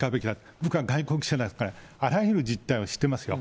僕は外国記者だからあらゆる実態を知ってますから。